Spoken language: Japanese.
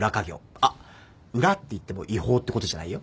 あっ裏っていっても違法ってことじゃないよ